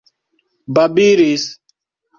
babilis